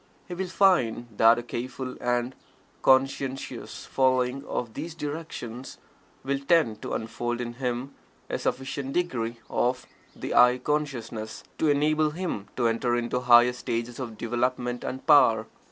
He will find that a careful and conscientious following of these directions will tend to unfold in him a sufficient degree of the "I" consciousness, to enable him to enter into higher stages of development and power.